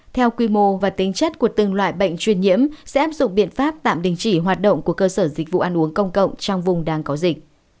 theo quy mô và tính chất của từng loại bệnh truyền nhiễm sẽ áp dụng biện pháp tạm đình chỉ hoạt động của cơ sở dịch vụ ăn uống công cộng trong vùng đang có dịch